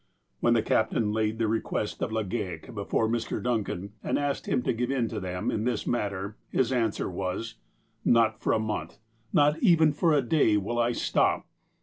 When the captain laid the request of Legale before Mr. Duncan, and asked him to give in to them in this matter, his answer was :'' Not for a month, nor even for a day will I stop.